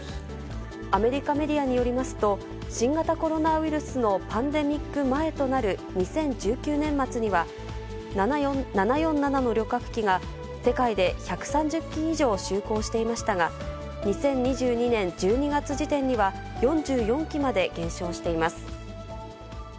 アメリカメディアによりますと、新型コロナウイルスのパンデミック前となる２０１９年末には、７４７の旅客機が世界で１３０機以上就航していましたが、２０２２年１２月時点には、４４機まで減少しています。